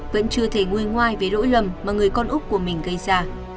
vẫn chưa thể nguôi ngoai với lỗi lầm mà người con úc của mình gây ra